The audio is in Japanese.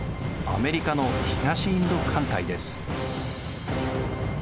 アメリカの東インド艦隊です。